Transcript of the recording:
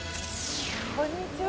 こんにちは。